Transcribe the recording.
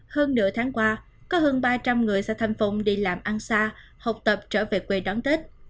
hơn nửa tháng qua có hơn ba trăm linh người xã thanh phong đi làm ăn xa học tập trở về quê đón tết